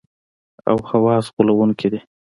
او حواس غولونکي دي.